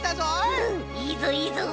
うんいいぞいいぞ。